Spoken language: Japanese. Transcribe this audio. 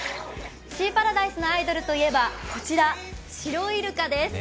シーパラダイスのアイドルと言えば、シロイルカです。